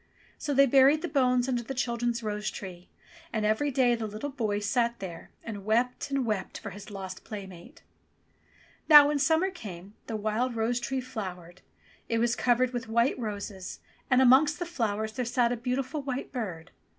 So they buried the bones under the chil dren's rose tree, and every day the little boy sate there and wept and wept for his lost playmate. Now when summer came the wild rose tree flowered. It was covered with white roses, and amongst the flowers 36o ENGLISH FAIRY TALES there sate a beautiful white bird.